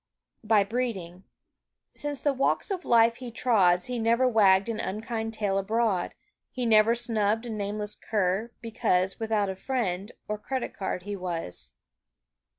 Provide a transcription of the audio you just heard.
By breeding. Since the walks of life he trod He never wagged an unkind tale abroad, He never snubbed a nameless cur because Without a friend or credit card he was.